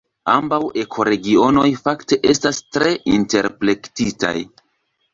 Ambaŭ ekoregionoj fakte estas tre interplektitaj.